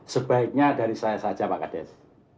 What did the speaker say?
sebaiknya dari saya saja pak kades